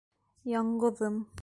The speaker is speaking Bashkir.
Яңғыҙым.